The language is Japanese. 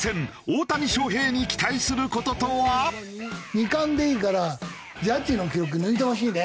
二冠でいいからジャッジの記録抜いてほしいね。